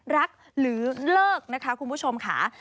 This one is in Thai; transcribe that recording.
หรือเลิกนะคะคุณผู้ชมค่ะ